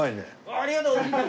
ありがとうございます！